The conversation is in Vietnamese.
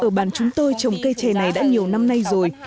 ở bản chúng tôi trồng cây trè này đã nhiều năm nay rồi